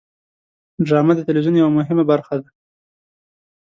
ډرامه د تلویزیون یوه مهمه برخه ده